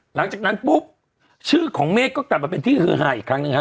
หลังจากนั้นปุ๊บชื่อของเมฆก็กลับมาเป็นที่ฮือฮาอีกครั้งหนึ่งฮะ